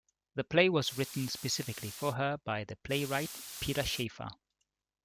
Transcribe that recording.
The play was written specifically for her by the playwright Peter Shaffer.